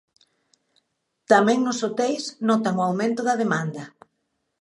Tamén nos hoteis notan o aumento da demanda.